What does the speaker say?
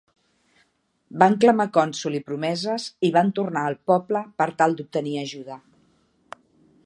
Van clamar consol i promeses i van tornar al poble per tal d'obtenir ajuda.